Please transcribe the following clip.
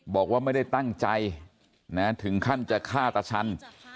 บอกว่าไม่ได้ตั้งใจถึงขั้นจะฆ่าตาชัน